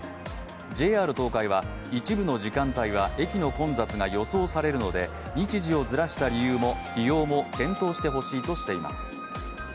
ＪＲ東海は一部の時間帯は駅の混雑が予想されるので日時をずらした利用も検討してほしいとしています。